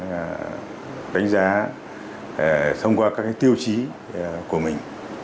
thì hay có cách đánh giá thông qua các tiêu chí của mình